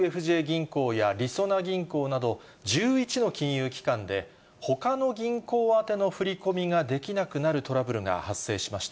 きょう、三菱ＵＦＪ銀行やりそな銀行など１１の金融機関で、ほかの銀行宛ての振り込みができなくなるトラブルが発生しました。